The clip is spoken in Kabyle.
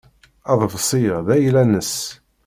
Aḍebsi-a d ayla-nnes.